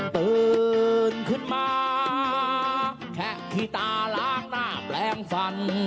ตื่นขึ้นมาแขะที่ตาล้างหน้าแปลงฟัน